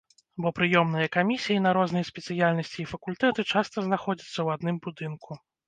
Бо прыёмныя камісіі на розныя спецыяльнасці і факультэты часта знаходзяцца ў адным будынку.